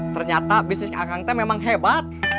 ternyata bisnis anggang teh memang hebat